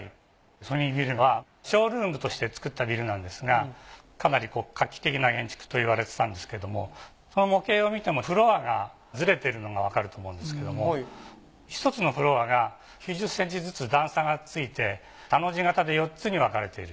ソニービルはショールームとして造ったビルなんですがかなり画期的な建築といわれてたんですけどもこの模型を見てもフロアがずれてるのがわかると思うんですけども１つのフロアが９０センチずつ段差がついて田の字型で４つに分かれている。